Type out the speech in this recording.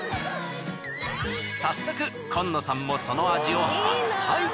早速紺野さんもその味を初体験。